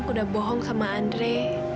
aku udah bohong sama andri